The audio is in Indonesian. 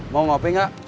mau kopi gak